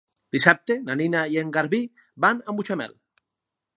Dissabte na Nina i en Garbí van a Mutxamel.